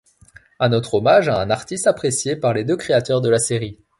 Un autre hommage à un artiste apprécié par les deux créateurs de la série.